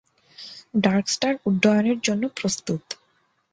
Darkstar উড্ডয়নের জন্য প্রস্তুত।